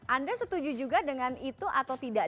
anda setuju juga dengan itu atau tidak